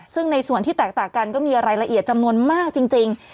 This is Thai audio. ซึ่งในส่วนที่แตกต่างกันก็มีรายละเอียดจำนวนมากจริง